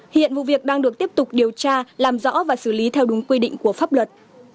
hiện vụ việc đang được tiếp tục điều tra làm rõ và xử lý theo đúng quy định của pháp luật